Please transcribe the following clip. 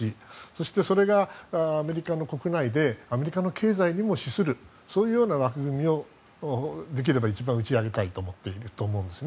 そして、それがアメリカの国内でアメリカの経済にも資するそういうような枠組みをできれば一番打ち上げたいと思っていると思います。